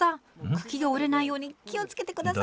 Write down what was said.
茎が折れないように気をつけて下さい。